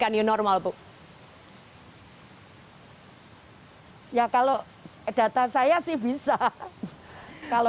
kami harus sudah melakukan keterangan vampiression